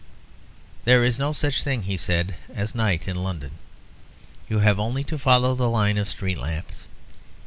"There is no such thing," he said, "as night in London. You have only to follow the line of street lamps.